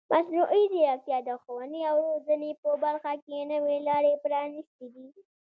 مصنوعي ځیرکتیا د ښوونې او روزنې په برخه کې نوې لارې پرانیستې دي.